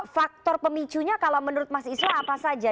faktor pemicunya kalau menurut mas islah apa saja